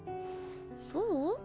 そう？